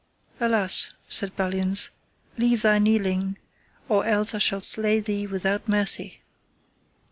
Alas, said Belliance, leave thy kneeling, or else I shall slay thee without mercy.